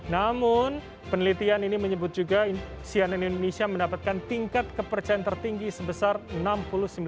namun penelitian ini menyebut juga sianen indonesia mendapatkan tingkat kepercayaan tertinggi dari media sosial